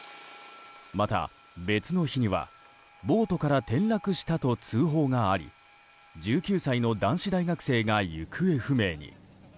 また別の日にはボートから転落したと通報があり１９歳の男子大学生が行方不明に。